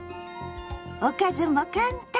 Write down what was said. おかずも簡単！